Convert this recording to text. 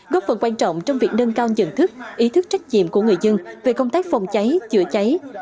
góp phần quan trọng trong việc nâng cao nhận thức ý thức trách nhiệm của người dân về công tác phòng cháy chữa cháy